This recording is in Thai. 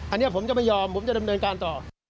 อันนี้ผมจะไม่ยอมผมจะดำเนินการต่อ